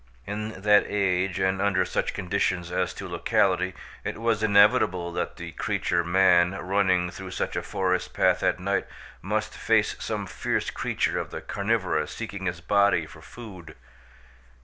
In that age and under such conditions as to locality it was inevitable that the creature, man, running through such a forest path at night, must face some fierce creature of the carnivora seeking his body for food.